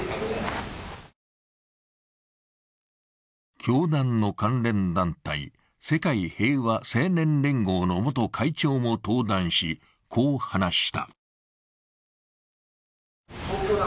教団の関連団体世界平和青年連合の元会長も登壇し、こう話した。